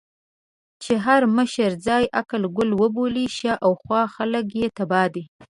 چې مشر ځان عقل کُل وبولي، شا او خوا خلګ يې تباه دي.